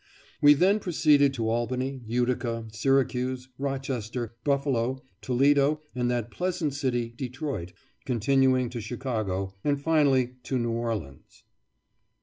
We then proceeded to Albany, Utica, Syracuse, Rochester, Buffalo, Toledo, and that pleasant city, Detroit, continuing to Chicago, and finally to New Orleans.